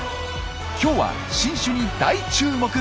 今日は新種に大注目！